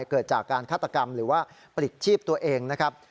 เกิดจากการฆาตกรรมหรือว่าปลิดชีพตัวเองนะครับ